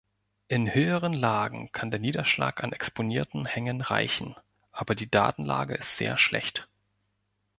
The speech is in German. In höheren Lagen kann der Niederschlag an exponierten Hängen reichen, aber die Datenlage ist sehr schlecht.